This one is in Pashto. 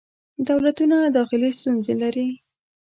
دولتونه داخلې ستونزې لري.